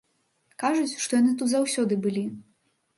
Кажуць, што яны тут заўсёды былі.